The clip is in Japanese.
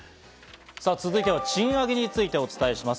続いては賃上げについてお伝えしていきます。